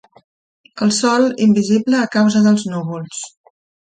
El sol, invisible a causa dels núvols.